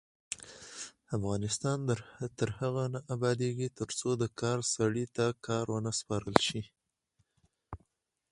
افغانستان تر هغو نه ابادیږي، ترڅو د کار سړي ته کار ونه سپارل شي.